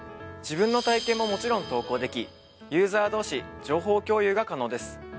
自分の体験ももちろん投稿できユーザー同士情報共有が可能です。